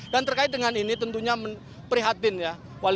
dan terkait dengan ini tentunya prihatin ya